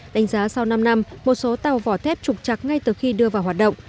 đánh giá sau năm năm một số tàu vỏ thép trục chặt ngay từ khi đưa vào hoạt động